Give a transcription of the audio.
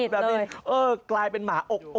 บิกสนิท